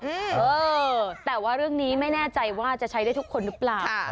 เออแต่ว่าเรื่องนี้ไม่แน่ใจว่าจะใช้ได้ทุกคนหรือเปล่า